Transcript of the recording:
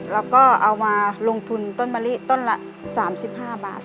แล้วก็เอามาลงทุนต้นมะลิต้นละ๓๕บาท